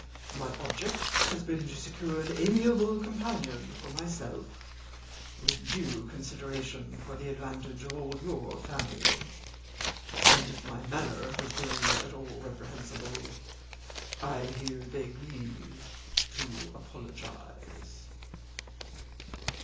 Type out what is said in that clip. My object has been to secure an amiable companion for myself, with due consideration for the advantage of all your family; and if my manner has been at all reprehensible, I here beg leave to apologize."